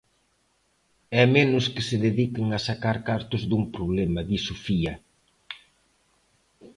E menos que se dediquen a sacar cartos dun problema, di Sofía.